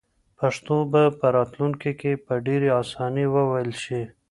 پښتو به په راتلونکي کې په ډېرې اسانۍ وویل شي.